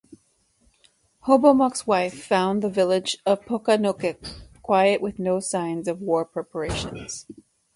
Hobomok's wife found the village of Pokanoket quiet with no signs of war preparations.